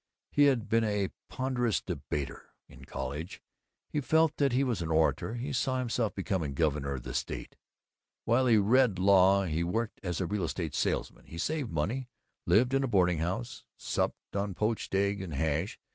He had been a ponderous debater in college; he felt that he was an orator; he saw himself becoming governor of the state. While he read law he worked as a real estate salesman. He saved money, lived in a boarding house, supped on poached egg on hash.